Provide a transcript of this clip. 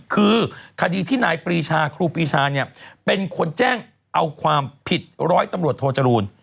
คือคดีที่นายปรีชาครูปีชาเนี่ยเป็นคนแจ้งเอาความผิดร้อยตำรวจโทจรูล